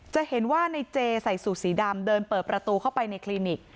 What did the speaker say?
จะเห็นว่าในเจใส่สูตรสีดำเดินเปิดประตูเข้าไปในคลินิก